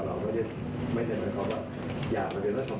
พรภ์ไทยเมื่อวานก็ได้แนะนำแล้ว